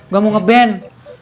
gue mau ngeband